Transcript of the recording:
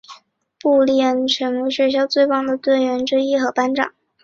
布丽恩成为学校最棒的排球队员之一和班长。